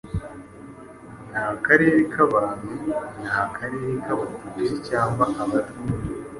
Nta karere k'Abahutu, nta karere k'Abatutsi cyangwa Abatwa.